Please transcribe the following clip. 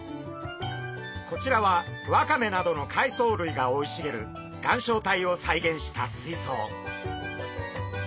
こちらはワカメなどの海藻類が生い茂る岩礁帯を再現した水槽。